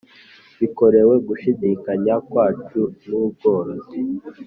bikorewe gushidikanya kwacu n'ubwoba: